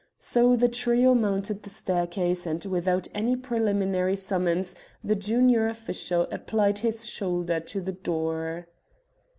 So the trio mounted the staircase, and without any preliminary summons the junior official applied his shoulder to the door.